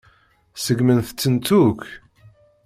Seggment-tent akk.